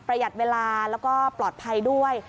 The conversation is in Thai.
หยัดเวลาแล้วก็ปลอดภัยด้วย